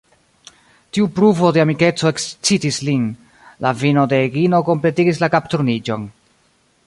Tiu pruvo de amikeco ekscitis lin: la vino de Egino kompletigis la kapturniĝon.